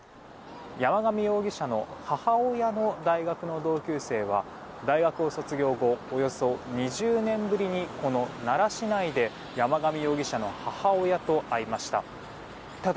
山上容疑者の母親の大学の同級生は大学を卒業後およそ２０年ぶりにこの奈良市内で山上容疑者の母親と会いました。